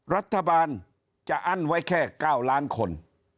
รัฐบาลจะอั้นไว้แค่๙ล้านคน